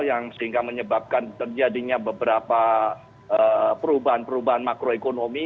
yang sehingga menyebabkan terjadinya beberapa perubahan perubahan makroekonomi